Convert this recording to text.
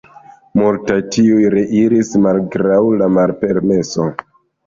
Multaj tuj reiris malgraŭ la malpermeso.